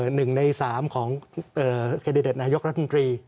หนึ่งในสามของแคนดิเดตนายกรัฐมนตรี